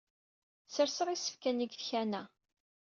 Sserseɣ isefka-nni deg tkanna.